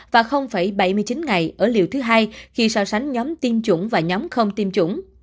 và bảy mươi chín ngày ở liều thứ hai khi so sánh nhóm tiêm chủng và nhóm không tiêm chủng